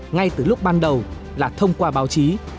ngay từ lúc ban đầu là thông qua báo chí